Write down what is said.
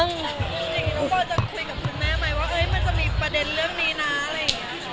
น้องบอร์จะคุยกับคุณแม่ไหมว่ามันจะมีประเด็นเรื่องนี้นะอะไรอย่างนี้